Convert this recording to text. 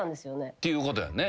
っていうことやんね。